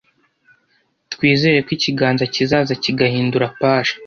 twizere ko ikiganza kizaza kigahindura page